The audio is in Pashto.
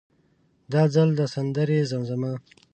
دا ځل د سندرې زمزمه.